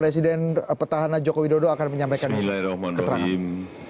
presiden petahana joko widodo akan menyampaikan keterangan